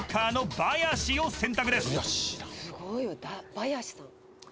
バヤシさん？